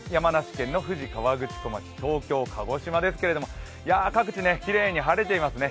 富士河口湖町東京、鹿児島ですけれども各地きれいに晴れていますね。